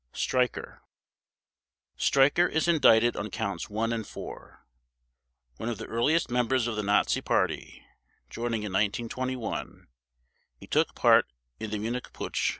STREICHER Streicher is indicted on Counts One and Four. One of the earliest members of the Nazi Party, joining in 1921, he took part in the Munich Putsch.